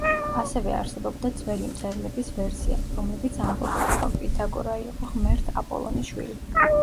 ასევე არსებობდა ძველი მწერლების ვერსია, რომლებიც ამბობდნენ, რომ პითაგორა იყო ღმერთ აპოლონის შვილი.